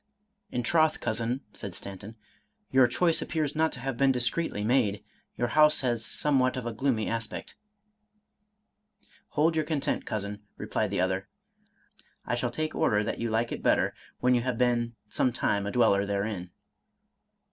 " In troth, Cousin," said Stanton, " your choice appears not to have been discreetly made; your house has somewhat of a gloomy aspect." —" Hold you content. Cousin," replied the ' Rochefoucauld. i86 Charles Robert Maturin other; " I shall take order that you like it better, when you have been some time a dweller therein."